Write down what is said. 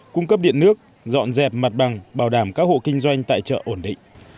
cung cấp điện nước dọn dẹp mặt bằng bảo đảm các hộ kinh doanh tại chợ ổn định